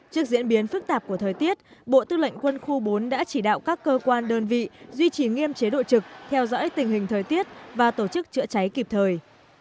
trước diễn biến phức tạp của thời tiết bộ tư lệnh quân khu bốn đã chỉ đạo các cơ quan đơn vị duy trì nghiêm chế độ trực theo dõi tình hình thời tiết và tổ chức chữa cháy kịp thời